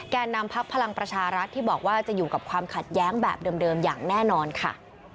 นำพักพลังประชารัฐที่บอกว่าจะอยู่กับความขัดแย้งแบบเดิมอย่างแน่นอนค่ะ